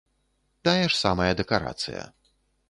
Тая ж самая дэкарацыя.